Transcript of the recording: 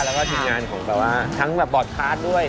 และก็ทีมงานทั้งบลอกคาสด้วย